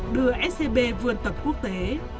đưa scb vươn tập quốc tế